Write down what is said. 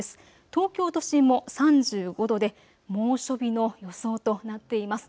東京都心も３５度で猛暑日の予想となっています。